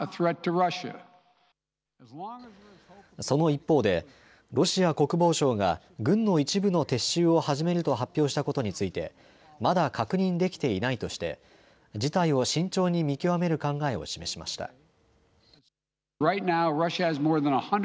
その一方でロシア国防省が軍の一部の撤収を始めると発表したことについてまだ確認できていないとして事態を慎重に見極める考えを示しました。